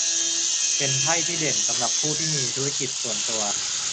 เป็นไพ่ที่เด่นสำหรับผู้ที่มีธุรกิจส่วนตัว